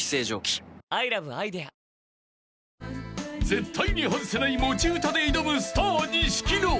［絶対に外せない持ち歌で挑むスター錦野］